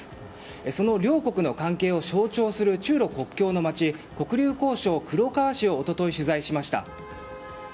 その両国の関係を象徴する中ロ国境の町黒竜江省黒河市を一昨日取材しました。